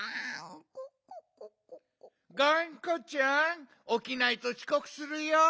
がんこちゃんおきないとちこくするよ！